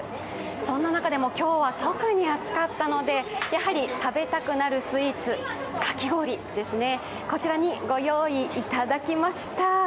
そんな中でも今日は特に暑かったので食べたくなるスイーツ、かき氷ですね、こちらにご用意いただきました。